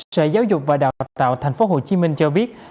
sở giáo dục và đào tạo tp hcm cho biết